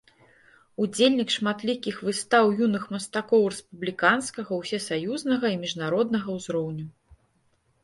Удзельнік шматлікіх выстаў юных мастакоў рэспубліканскага, усесаюзнага і міжнароднага ўзроўню.